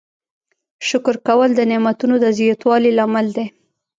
شکر کول د نعمتونو د زیاتوالي لامل دی.